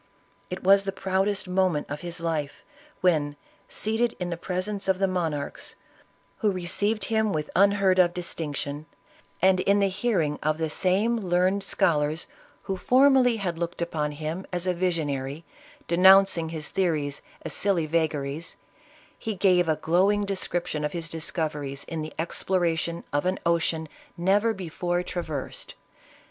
It was the proudest moment of his life, when, seated in the presence of the monarchs, who received him with unheard of distinction, and in the hearing of the same ISABELLA OF CA*TIT.K. 123 learned scholars who formerly had looked upon him as a visionary, denouncing his theories as silly vaga ries, he gave a glowing description of his discoveries in the exploration of an ocean never before traversed.